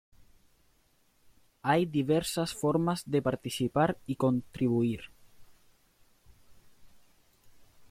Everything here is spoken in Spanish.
Hay diversas formas de participar y contribuir.